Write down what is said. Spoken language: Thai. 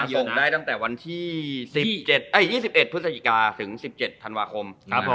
ส่งได้ตั้งแต่วันที่๒๑พฤศจิกาถึง๑๗ธันวาคม